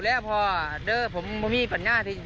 แล้วพี่สาวกลับไปอยู่ที่อุดรธานี